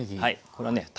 これはね